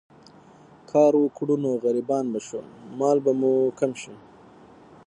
کار وکړو نو غريبان به شو، مال به مو کم شي